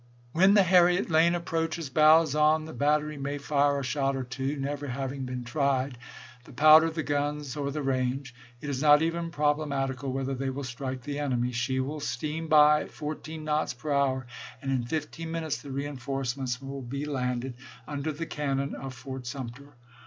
When the Harriet Lane approaches, bows on, the bat tery may fire a shot or two; never having been tried — the powder, the guns, or the range — it is not even prob lematical whether they will strike the enemy. She will steam by at fourteen knots per hour, and in fifteen min utes the reinforcements will be landed under the cannon of Fort Sumter.